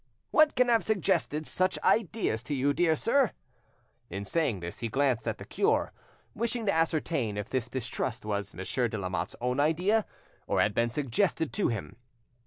"What can have suggested such ideas to you; dear sir?" In saying this he glanced at the cure; wishing to ascertain if this distrust was Monsieur de Lamotte's own idea, or had been suggested to him.